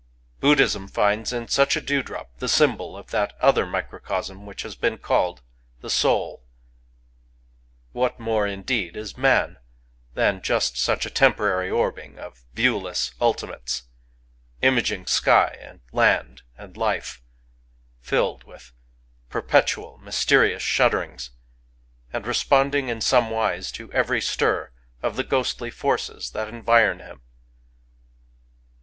Buddhism finds in such a dewdrop the symbol of that other microcosm which has been called the Soul. ... What more, indeed, is man than just such a temporary orbing of viewless ultimates, — imaging sky and land and life, — filled with per 173 Digitized by Googk 174 A DROP OF DEW petual mysterious shudderings, — and respoftding in some wise to every stir of the ghostly forces that environ him?